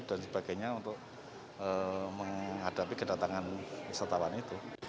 dan sebagainya untuk menghadapi kedatangan wisatawan itu